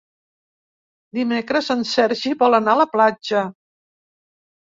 Dimecres en Sergi vol anar a la platja.